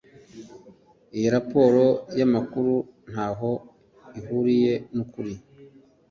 Iyo raporo yamakuru ntaho ihuriye nukuri